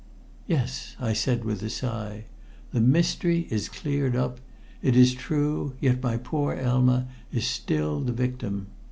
"Yes," I said with a sigh. "The mystery is cleared up, it is true, yet my poor Elma is still the victim."